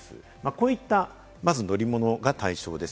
こういった乗り物が対象です。